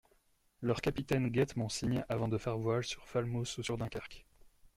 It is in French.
Leurs capitaines guettent mon signe avant de faire voile sur Falmouth ou sur Dunkerque.